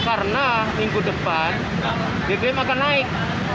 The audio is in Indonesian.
karena minggu depan bbm akan naik